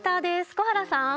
小原さん。